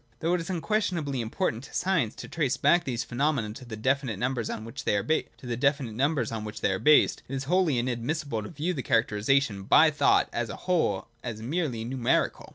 Though it is unquestionably important to science to trace back these phenomena to the definite numbers on which they are based, it is wholly in admissible to view the characterisation by thought as a whole, as merely numerical.